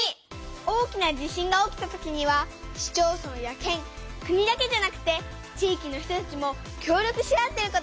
大きな地震が起きたときには市町村や県国だけじゃなくて地域の人たちも協力し合ってることがわかったよ！